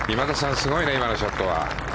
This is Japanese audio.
すごいね、今のショットは。